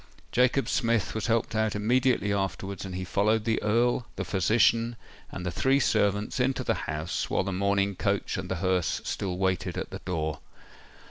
Jacob Smith was helped out immediately afterwards, and he followed the Earl, the physician, and the three servants into the house, while the mourning coach and the hearse still waited at the door.